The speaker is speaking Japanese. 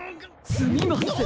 すみません！